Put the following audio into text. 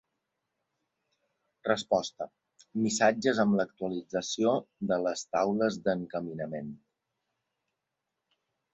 Resposta: missatges amb l'actualització de les taules d'encaminament.